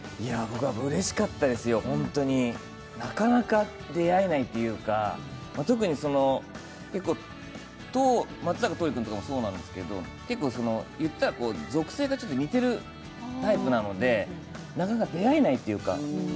うれしかったですよ、本当になかなか出会えないというか特に松坂桃李君とかもそうなんですけど、言ったら属性がちょっと似てるタイプなのでなかなか出会えないというか。